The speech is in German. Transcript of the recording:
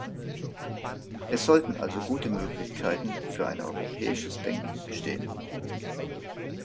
Es sollten also gute Möglichkeiten für ein europäisches Denken bestehen.